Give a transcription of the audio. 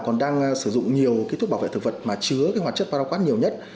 còn đang sử dụng nhiều thuốc bảo vệ thực vật mà chứa hoạt chất paraquat nhiều nhất